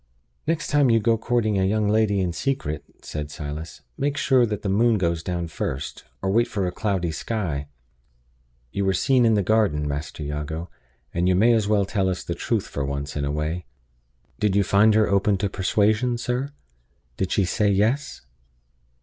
"Next time you go courting a young lady in secret," said Silas, "make sure that the moon goes down first, or wait for a cloudy sky. You were seen in the garden, Master Jago; and you may as well tell us the truth for once in a way. Did you find her open to persuasion, sir? Did she say 'Yes?